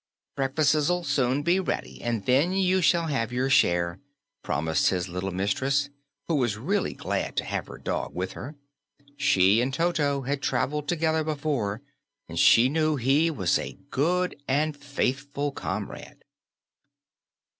"Breakfas'll soon be ready, and then you shall have your share," promised his little mistress, who was really glad to have her dog with her. She and Toto had traveled together before, and she knew he was a good and faithful comrade.